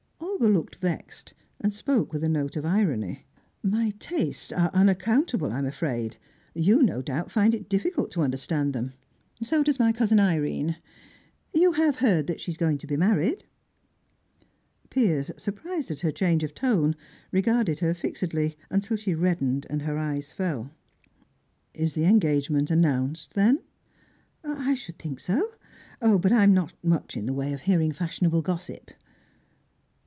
Olga looked vexed, and spoke with a note of irony. "My tastes are unaccountable, I'm afraid. You, no doubt, find it difficult to understand them. So does my cousin Irene. You have heard that she is going to be married?" Piers, surprised at her change of tone, regarded her fixedly, until she reddened and her eyes fell. "Is the engagement announced, then?" "I should think so; but I'm not much in the way of hearing fashionable gossip."